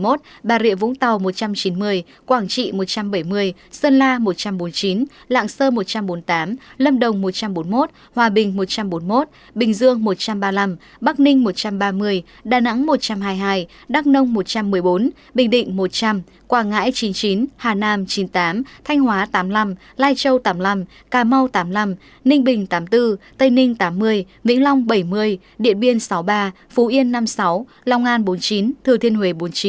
hà tĩnh một trăm chín mươi một bà rịa vũng tàu một trăm chín mươi quảng trị một trăm bảy mươi sơn la một trăm bốn mươi chín lạng sơ một trăm bốn mươi tám lâm đồng một trăm bốn mươi một hòa bình một trăm bốn mươi một bình dương một trăm ba mươi năm bắc ninh một trăm ba mươi đà nẵng một trăm hai mươi hai đắk nông một trăm một mươi bốn bình định một trăm linh quảng ngãi chín mươi chín hà nam chín mươi tám thanh hóa tám mươi năm lai châu tám mươi năm cà mau tám mươi năm ninh bình tám mươi bốn tây ninh tám mươi vĩnh long bảy mươi điện biên sáu mươi ba phú yên năm mươi sáu lòng an bốn mươi chín thừa thiên huế bốn mươi chín